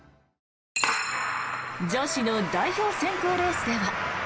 女子の代表選考レースでは。